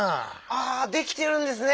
ああできてるんですね！